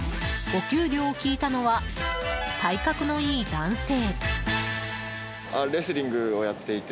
お給料を聞いたのは体格のいい男性。